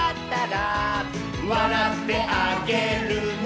「わらってあげるね」